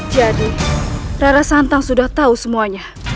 jadi rara santang sudah tahu semuanya